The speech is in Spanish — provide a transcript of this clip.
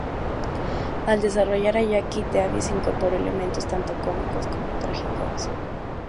Al desarrollar a Jackie, Davies incorporó elementos tanto cómicos como trágicos.